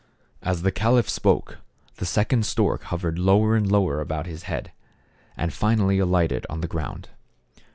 As the caliph spoke the second stork hovered lower and lower about his head, and finally alighted on the ground.